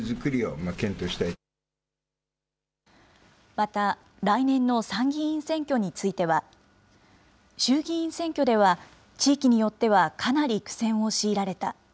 また、来年の参議院選挙については、衆議院選挙では、地域によってはかなり苦戦を強いられた。